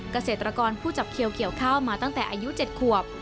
เกษตรกรผู้จับเขียวเกี่ยวข้าวมาตั้งแต่อายุ๗ขวบ